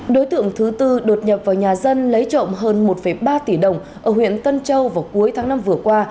đối tượng thứ tư đột nhập vào nhà dân lấy trộm hơn một ba tỷ đồng ở huyện tân châu vào cuối tháng năm vừa qua